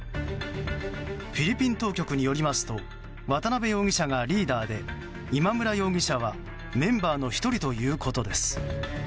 フィリピン当局によりますと渡邉容疑者がリーダーで今村容疑者はメンバーの１人ということです。